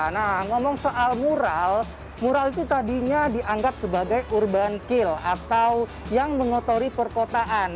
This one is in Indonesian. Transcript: nah ngomong soal mural mural itu tadinya dianggap sebagai urban kill atau yang mengotori perkotaan